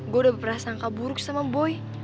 gua udah berasa angka buruk sama boy